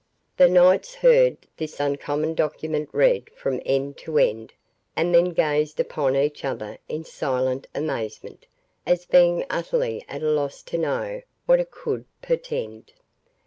The knights heard this uncommon document read from end to end, and then gazed upon each other in silent amazement, as being utterly at a loss to know what it could portend.